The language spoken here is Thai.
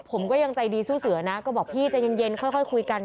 ผมก็ยังใจดีสู้เสือนะก็บอกพี่ใจเย็นค่อยคุยกัน